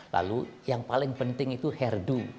lalu yang paling penting itu herdu